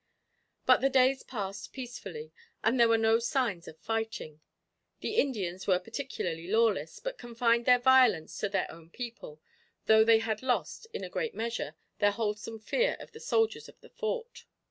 But the days passed peacefully, and there were no signs of fighting. The Indians were particularly lawless, but confined their violence to their own people, though they had lost, in a great measure, their wholesome fear of the soldiers at the Fort.